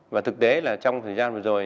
và thực tế là trong thời gian vừa rồi